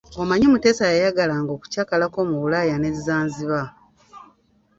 Omanyi Mutesa yayagalanga okukyalako mu Bulaaya n'e Zanzibar.